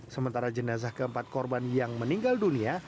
sementara jenazah keempat korban yang meninggal dunia